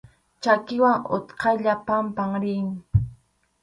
Chakiwan utqaylla pampan riy.